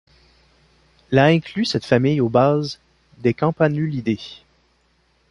La inclus cette famille au base des Campanulidées.